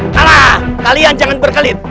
kalah kalian jangan berkelit